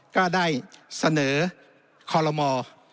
ก็ได้เสนอคอลโลมอร์